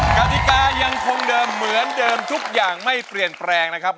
กติกายังคงเดิมเหมือนเดิมทุกอย่างไม่เปลี่ยนแปลงนะครับ